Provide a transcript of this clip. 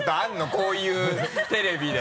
こういうテレビで。